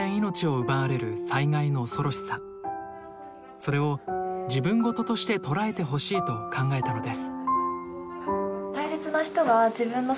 それを自分ごととして捉えてほしいと考えたのです。